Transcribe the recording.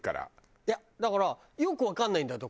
いやだからよくわかんないんだよ。